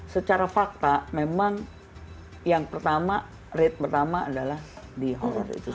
secara fakta memang yang pertama rate pertama adalah di holder itu